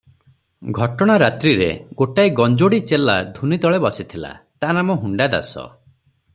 ଘଟଣା ରାତ୍ରିରେ ଗୋଟାଏ ଗଞ୍ଜୋଡ଼ି ଚେଲା ଧୂନି ତଳେ ବସିଥିଲା, ତା ନାମ ହୁଣ୍ଡା ଦାସ ।